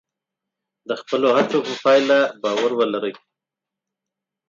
د خپلو هڅو په پایله باور ولرئ.